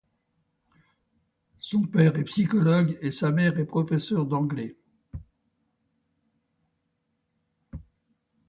Son père est psychologue et sa mère professeur d'anglais.